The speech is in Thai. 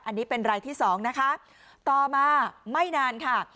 อันนี้เป็นรายที่สองนะคะต่อมาไม่นานค่ะ